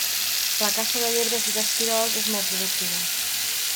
La caça de llebres i d'esquirols és molt productiva.